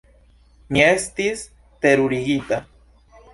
Mi estis terurigita.